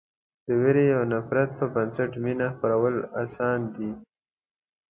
د وېرې او نفرت په نسبت مینه خپرول اسان دي.